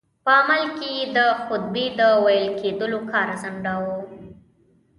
په عمل کې یې د خطبې د ویل کېدلو کار ځنډاوه.